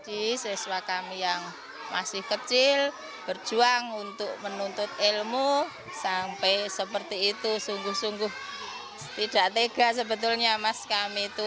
di siswa kami yang masih kecil berjuang untuk menuntut ilmu sampai seperti itu sungguh sungguh tidak tega sebetulnya mas kami itu